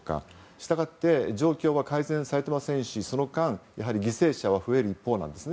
したがって状況は改善されていませんしその間、犠牲者は増える一方なんですね。